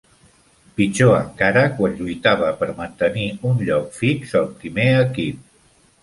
Pitjor encara quan lluitava per mantenir un lloc fix al primer equip.